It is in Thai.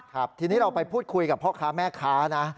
ครับทีนี้เราไปพูดคุยกับพ่อค้าแม่ค้านะ